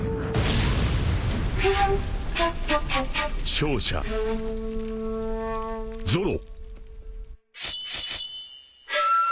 ［勝者ゾロ］